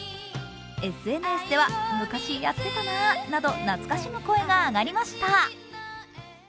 ＳＮＳでは昔やってたななど懐かしむ声が上がりました。